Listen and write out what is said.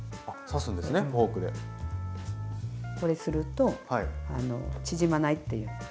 これすると縮まないっていう。